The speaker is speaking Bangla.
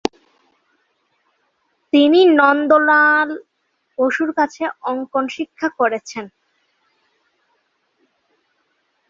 তিনি নন্দলাল বসুর কাছে অঙ্কন শিক্ষা করেছেন।